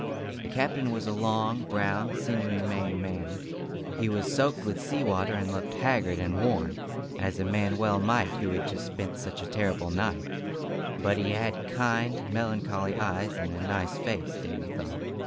The captain was a long, brown, sinewy Maine man. He was soaked with sea water and looked haggard and worn, as a man well might who had just spent such a terrible night; but he had kind, melancholy eyes, and a nice face, Davy thought.